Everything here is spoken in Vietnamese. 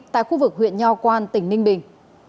tại khu vực huyện nho quang tỉnh ninh bình